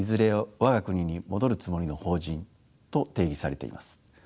我が国に戻るつもりの邦人と定義されています。